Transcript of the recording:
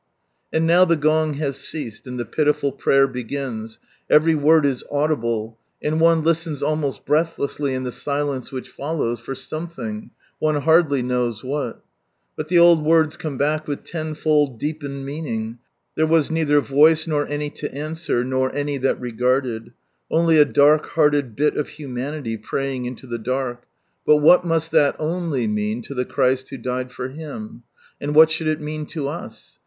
And now the gong has ceased, and the pitiful prayer begins, every word is audible, and one listens almost breathlessly in the silence which follows, for some thing, one hardly knows what. But the old words come back with tenfold deepened meaning, "There was neither voice nor any to answer, nor any that regardeil," Only a dark hearled bit of humanity, praying into the dark ; but what must that "only" mean to the Christ who died for him? And what should it mean to us?